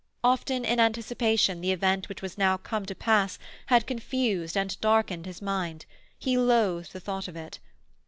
Often, in anticipation, the event which was now come to pass had confused and darkened his mind; he loathed the thought of it.